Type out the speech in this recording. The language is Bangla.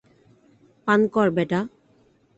পান কর বেটা।